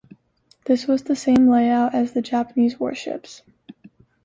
This was the same layout as the Japanese warships.